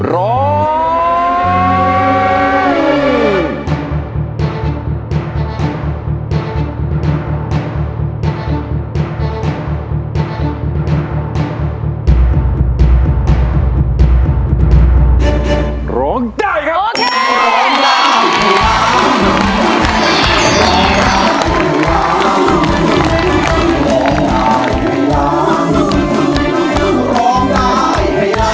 ร้อย